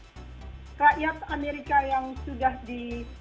rakyat amerika yang sudah di